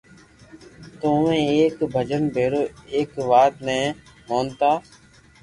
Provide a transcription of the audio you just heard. تو اووي ايڪ ڀجن ڀيرو ايڪ وات ني مونتا